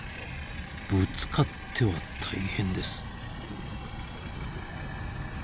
ぶつかっては大変です。